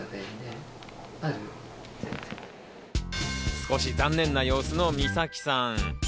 少し残念な様子の実咲さん。